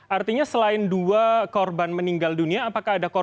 artinya selain dua korban meninggal dunia apakah ada korban yang berada di luar